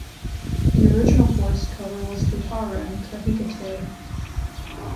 The original forest cover was Totara and Kahikatea.